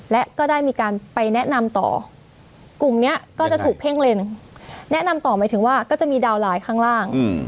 และก็ได้มีการไปแนะนำต่อกลุ่มนี้ก็จะถูกเพ่งเลนแนะนำต่อหมายถึงว่าก็จะมีดาวนไลน์ข้างล่าง